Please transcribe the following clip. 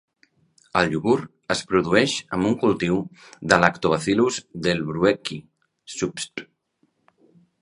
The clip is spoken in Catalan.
El iogurt es produeix amb un cultiu de "Lactobacillus delbrueckii" subsp.